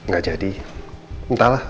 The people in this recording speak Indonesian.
gak jadi entahlah